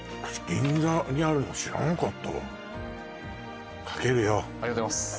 銀座にあるの知らなかったわかけるよありがとうございます